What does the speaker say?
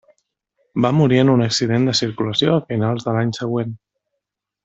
Va morir en un accident de circulació a finals de l'any següent.